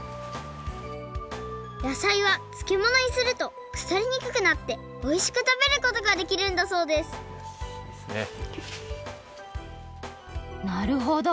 やさいはつけものにするとくさりにくくなっておいしくたべることができるんだそうですなるほど。